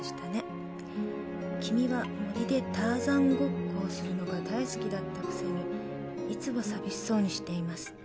「君は森でターザンごっこをするのが大好きだったくせにいつも寂しそうにしています」